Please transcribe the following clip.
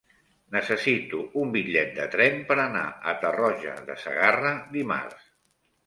Necessito un bitllet de tren per anar a Tarroja de Segarra dimarts.